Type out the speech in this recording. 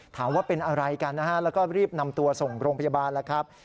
ถามว่าเป็นอะไรกันนะฮะแล้วก็รีบนำตัวส่งโรงพยาบาลแล้วครับ